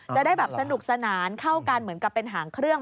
จะได้แบบสนุกสนานเข้ากันเหมือนกับเป็นหางเครื่อง